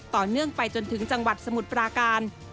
ต่อเนื่องไปจนถึงจังหวัดสมุทรปราการ